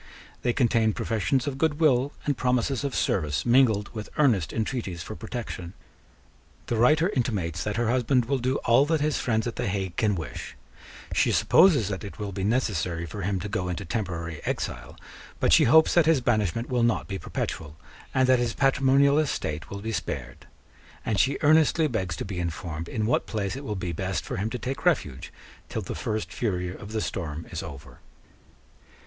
They contain professions of good will and promises of service mingled with earnest intreaties for protection. The writer intimates that her husband will do all that his friends at the Hague can wish: she supposes that it will be necessary for him to go into temporary exile: but she hopes that his banishment will not be perpetual, and that his patrimonial estate will be spared; and she earnestly begs to be informed in what place it will be best for him to take refuge till the first fury of the storm is over.